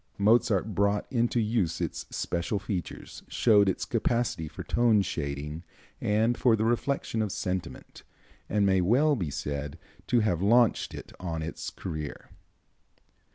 Mozart brought into use its special features, showed its capacity for tone shading and for the reflection of sentiment, and may well be said to have launched it on its career.